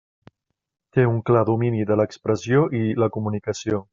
Té un clar domini de l'expressió i la comunicació.